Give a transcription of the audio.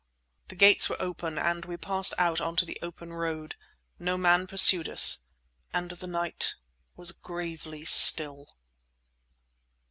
The gates were open; we passed out on to the open road. No man pursued us, and the night was gravely still.